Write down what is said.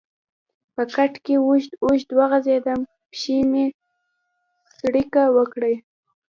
په کټ کې اوږد اوږد وغځېدم، پښې مې څړیکه وکړې.